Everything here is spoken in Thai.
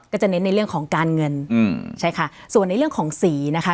จะเน้นในเรื่องของการเงินอืมใช่ค่ะส่วนในเรื่องของสีนะคะ